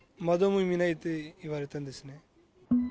窓も見ないでって言われたんですね。